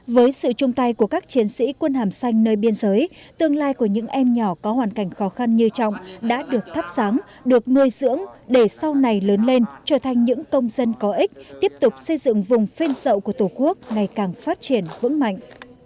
với sự chung tay của các chiến sĩ quân hàm xanh nơi biên giới tương lai của những em nhỏ có hoàn cảnh khó khăn như trọng đã được thắp sáng được nuôi dưỡng để sau này lớn lên trở thành những công dân có ích tiếp tục xây dựng vùng phên sậu của tổ quốc ngày càng phát triển vững mạnh